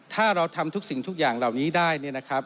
ถ้าเราทำทุกสิ่งทุกอย่างเหล่านี้ได้